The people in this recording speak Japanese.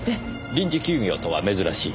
臨時休業とは珍しい。